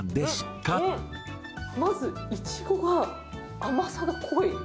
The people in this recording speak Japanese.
まず、イチゴが、甘さが濃い。